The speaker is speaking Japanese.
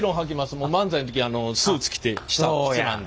もう漫才の時スーツ着て下は靴なんで。